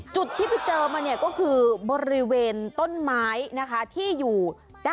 ชุมชนเยอะต้นไม้เยอะ